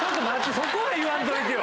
そこは言わんといてよ。